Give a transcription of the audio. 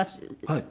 はい。